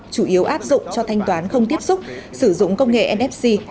chủ yếu áp dụng cho thanh toán không tiếp xúc sử dụng công nghệ nfc